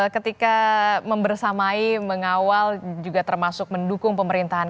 ketika membersamai mengawal juga termasuk mendukung pemerintahan